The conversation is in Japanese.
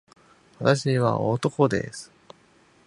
私は男です